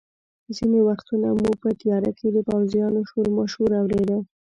ځینې وختونه مو په تیاره کې د پوځیانو شورماشور اورېده.